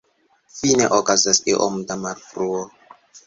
Fine, okazas iom da malfruo.